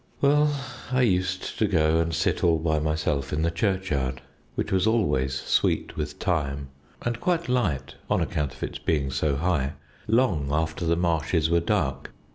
"Well, I used to go and sit all by myself in the churchyard, which was always sweet with thyme, and quite light (on account of its being so high) long after the marshes were dark.